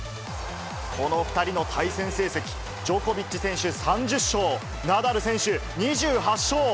この２人の対戦成績、ジョコビッチ選手３０勝、ナダル選手２８勝。